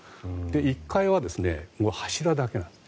１階は柱だけなんです。